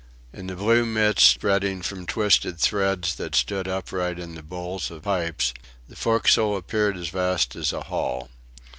In the blue mist spreading from twisted threads that stood upright in the bowls of pipes, the forecastle appeared as vast as a hall.